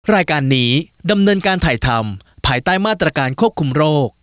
รายการนี้ดำเนินการถ่ายทำภายใต้มาตรการควบคุมโรค